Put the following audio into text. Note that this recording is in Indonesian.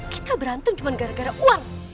kita berantem cuma gara gara uang